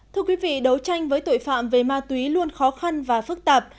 thưa quý vị đấu tranh với tội phạm về ma túy luôn khó khăn và phức tạp